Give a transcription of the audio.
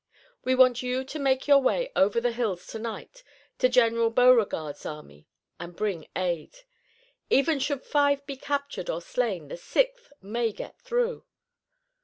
We want you to make your way over the hills tonight to General Beauregard's army and bring aid. Even should five be captured or slain the sixth may get through.